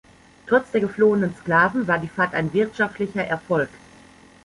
Trotz der geflohenen Sklaven war die Fahrt ein wirtschaftlicher Erfolg.